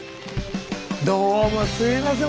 どうもすいません。